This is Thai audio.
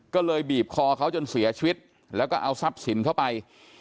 ก็เลยบีบคอเขาจนเสียชีวิตแล้วก็เอาทรัพย์สินเข้าไป